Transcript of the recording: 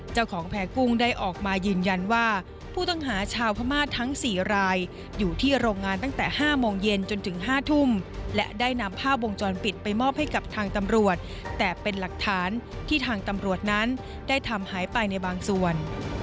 แผ่กุ้งได้ออกมายืนยันว่าผู้ต้องหาชาวพม่าทั้ง๔รายอยู่ที่โรงงานตั้งแต่๕โมงเย็นจนถึง๕ทุ่มและได้นำภาพวงจรปิดไปมอบให้กับทางตำรวจแต่เป็นหลักฐานที่ทางตำรวจนั้นได้ทำหายไปในบางส่วน